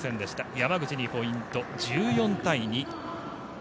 山口にポイント１４対２。